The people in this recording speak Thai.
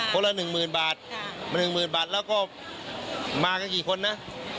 คนละหนึ่งหมื่นบาทแล้วก็มากันกี่คนนะ